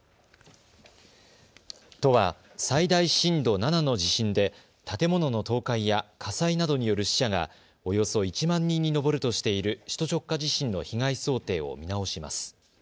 都は最大震度７の地震で建物の倒壊や火災などによる死者がおよそ１万人に上るとしている首都直下地震の被害想定を見直します。